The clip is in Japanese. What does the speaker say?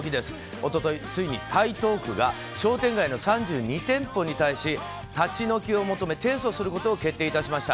一昨日、ついに台東区が商店街の３２店舗に対し立ち退きを求め提訴することを決定致しました。